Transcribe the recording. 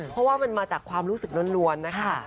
เพราะว่ามันมาจากความรู้สึกล้วนนะคะ